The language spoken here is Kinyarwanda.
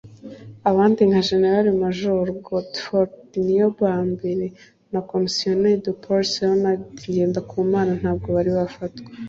Abandi nka General Major Godefroid Niyombare na Commissaire de Police Leonard Ngendakumana ntabwo bari bafatwa